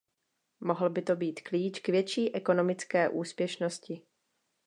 Mohl by to být klíč k větší ekonomické úspěšnosti.